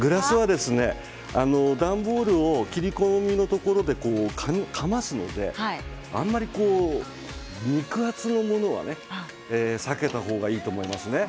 段ボールを切り込みのところでかますのであまり肉厚のものは避けたほうがいいですね。